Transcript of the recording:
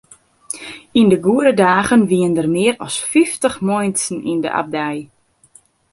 Yn de goede dagen wiene der mear as fyftich muontsen yn de abdij.